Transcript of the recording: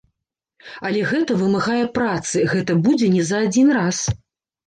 Але гэта вымагае працы, гэта будзе не за адзін раз.